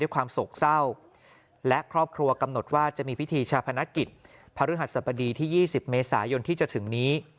กำหนดว่าจะมีพิธีชาพนักศิลป์ภารุหัสปดีที่๒๐เมษายนที่จะถึงนี้